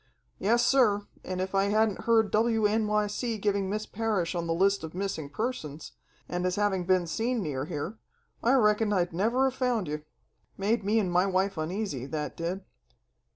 "Yessir, and if I hadn't heard WNYC giving Miss Parrish on the list of missing persons, and as having been seen near here, I reckon I'd never have found you. Made me and my wife uneasy, that did.